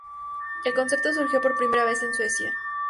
El concepto surgió por primera vez en Suecia.